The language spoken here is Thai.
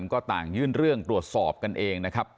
ก็ต่างยื่นเรื่องตรวจสอบกันเองนะครับ